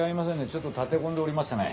ちょっと立て込んでおりましてね。